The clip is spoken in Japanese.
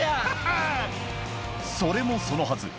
それもそのはず